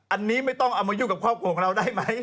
อันนี้ไม่ต้องเอามายุ่งกับครอบครัวของเราได้ไหม